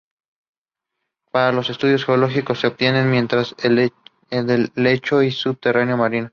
Para los estudios geológicos, se obtienen muestras del lecho y subsuelo marino.